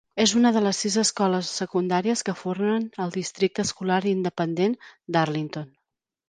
És una de les sis escoles secundàries que formen el districte escolar independent d'Arlington.